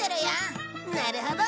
なるほど！